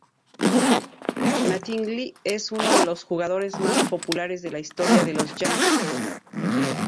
Mattingly es uno de los jugadores más populares de la historia de los Yankees.